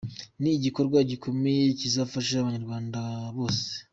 Ni igikorwa gikomeye kizafasha abanyarwanda bose.